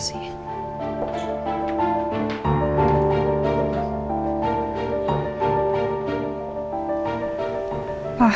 terima kasih pak